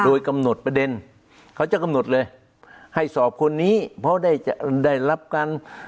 โดยกำหนดประเด็นเขาจะกำหนดเลยให้สอบคนนี้เพราะได้จะได้รับการ